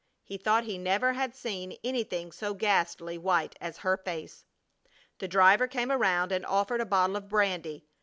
He thought he never had seen anything so ghastly white as her face. The driver came around and offered a bottle of brandy.